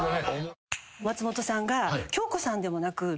松本さんが。